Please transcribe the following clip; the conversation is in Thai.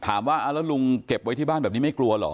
ถามว่าเอาละแล้วลุงเก็บไว้ที่บ้านดีไม่กลัวหรอ